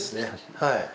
はい。